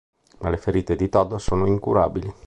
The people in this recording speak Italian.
Ma le ferite di Tod sono incurabili.